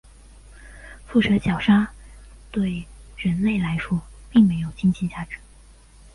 腹蛇角鲨对人类来说并没有经济价值。